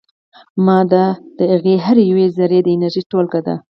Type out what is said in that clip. دا د هغه د هرې یوې ذرې د انرژي ټولګه ده.